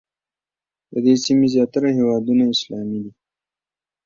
د دې سیمې زیاتره هېوادونه اسلامي دي.